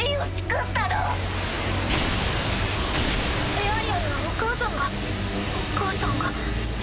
エアリアルはお母さんがお母さんが。